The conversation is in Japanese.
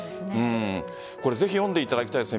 ぜひ読んでいただきたいです。